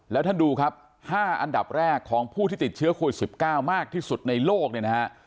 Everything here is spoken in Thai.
แล้วท่านดูครับ๕อันดับแรกของผู้ที่ติดเชื้อโควิด๑๙มากที่สุดในโลกเนี่ยนะฮะ